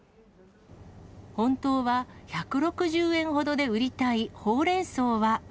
本当は１６０円ほどで売りたいほうれんそうは。